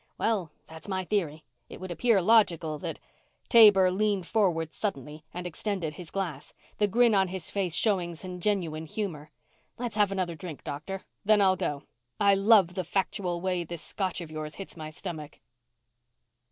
"Well ... that's my theory. It would appear logical that " Taber leaned forward suddenly and extended his glass, the grin on his face showing some genuine humor. "Let's have another drink, Doctor. Then I'll go. I love the factual way this Scotch of yours hits my stomach."